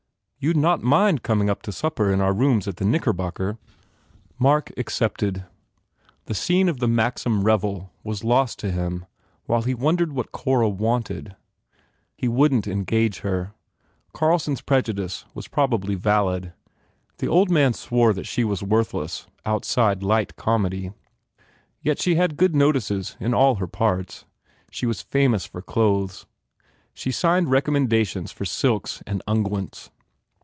"You d not mind coming to supper in our rooms at the Knickbocker?" Mark accepted. The scene of the Maxim revel was lost to him while he wondered what Cora wanted. He wou dn t engage her. Carlson s prejudice was probably valid. The old man swore that she was worthless outside light comedy. Yet THE FAIR REWARDS she had good notices in all her parts. She was famous for clothes. She signed recommenda tions for silks and unguents.